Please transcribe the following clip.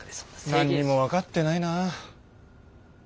何にも分かってないな。